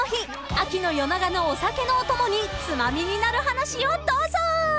［秋の夜長のお酒のお供に『ツマミになる話』をどうぞ］